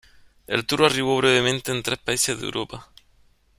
El Tour arribó brevemente en tres países de Europa.